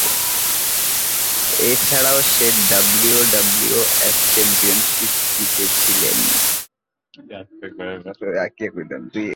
এছাড়াও সে WWF championship জিতেছিলেন।